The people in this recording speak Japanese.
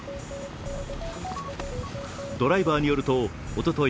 ドライバーによるとおととい